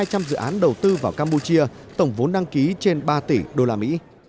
việt nam đã đạt trên hai trăm linh dự án đầu tư vào campuchia tổng vốn đăng ký trên ba tỷ usd